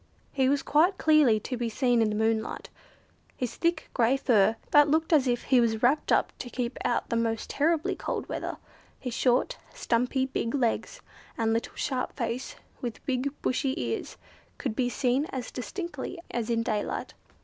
He was quite clearly to be seen in the moonlight. His thick, grey fur, that looked as if he was wrapped up to keep out the most terribly cold weather; his short, stumpy, big legs, and little sharp face with big bushy ears, could be seen as distinctly as in daylight.